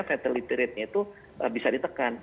fatality rate nya itu bisa ditekan